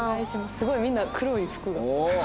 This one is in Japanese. すごいみんな黒い服が。